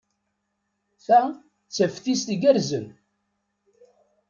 Ta d taftist igerrzen.